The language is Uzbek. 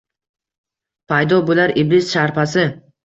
Paydo bo’lar Iblis sharpasi.